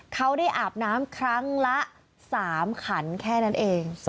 เขาได้อาบน้ำครั้งละ๓ขันแค่นั้นเอง